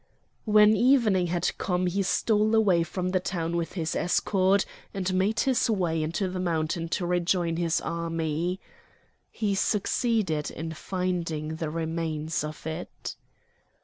When evening had come he stole away from the town with his escort, and made his way into the mountain to rejoin his army. He succeeded in finding the remains of it.